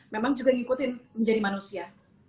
memang juga ngikutin menjadi manusia